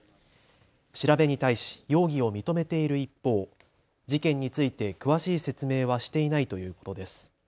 調べに対し容疑を認めている一方、事件について詳しい説明はしていないということです。